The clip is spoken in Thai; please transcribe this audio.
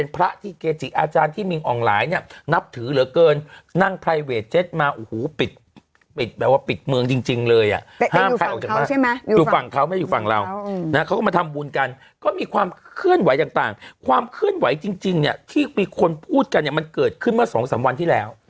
ไซต์ที่นั้นเนี่ยว่ามีคนพูดกันเนี่ยมันเกิดขึ้นมา๒๓วันที่แล้ว